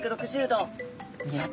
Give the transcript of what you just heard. ３６０度！